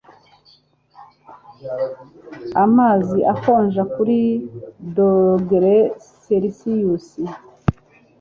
Amazi akonja kuri dogere selisiyusi.